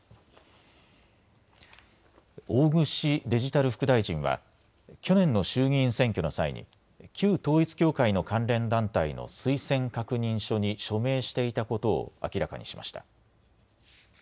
大串デジタル副大臣は去年の衆議院選挙の際に旧統一教会の関連団体の推薦確認書に署名していたことを明らかにしました。